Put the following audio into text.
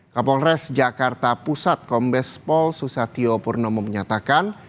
kapolres jakarta pusat kombes pol susatyo purnomo menyatakan